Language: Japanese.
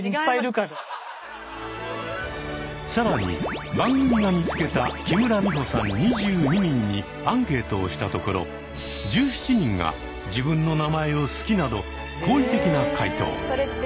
更に番組が見つけた木村美穂さん２２人にアンケートをしたところ１７人が「自分の名前を好き」など好意的な回答。